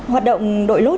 hoạt động đội lũ